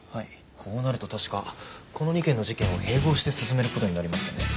こうなると確かこの２件の事件は併合して進める事になりますよね。